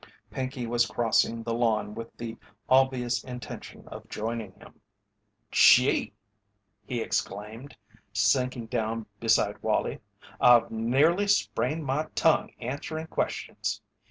Pinkey was crossing the lawn with the obvious intention of joining him. "Gee!" he exclaimed, sinking down beside Wallie, "I've nearly sprained my tongue answerin' questions.